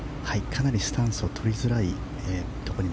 かなりスタンスを取りづらいところに